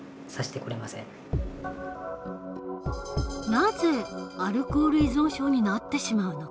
なぜアルコール依存症になってしまうのか。